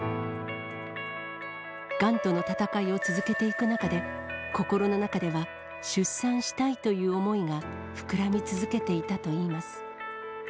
がんとの闘いを続けていく中で、心の中では出産したいという思いが膨らみ続けていたといいます。